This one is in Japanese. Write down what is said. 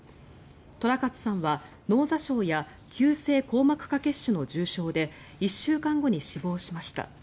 寅勝さんは脳挫傷や急性硬膜下血腫の重傷で１週間後に死亡しました。